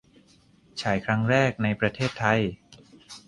ฉายครั้งแรกในประเทศไทย !